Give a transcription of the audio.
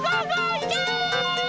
いけ！